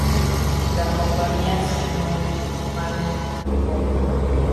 La compañía Samuel B. Hale y Co.